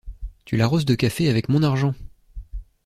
Tu l’arroses de café avec mon argent!